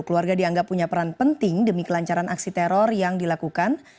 keluarga dianggap punya peran penting demi kelancaran aksi teror yang dilakukan